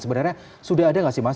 sebenarnya sudah ada nggak sih mas